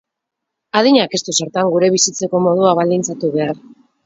Adinak ez du zertan gure bizitzeko modua baldintzatu behar.